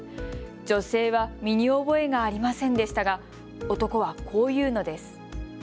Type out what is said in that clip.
女性は身に覚えがありませんでしたが男はこう言うのです。